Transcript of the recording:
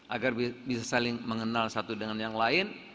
agar bisa saling mengenal satu dengan yang lain